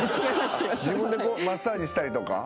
自分でマッサージしたりとか？